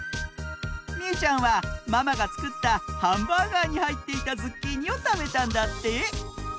みうちゃんはママがつくったハンバーガーにはいっていたズッキーニをたべたんだって！